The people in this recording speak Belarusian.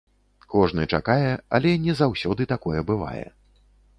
Кожны чакае, але не заўсёды такое бывае.